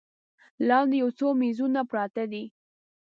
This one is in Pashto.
لاندې یو څو میزونه پراته دي.